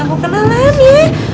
kamu kenalin ya